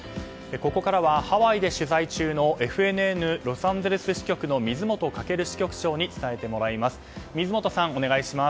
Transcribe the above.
ここからはハワイで取材中のＦＮＮロサンゼルス支局の水本翔支局長に伝えてもらいます。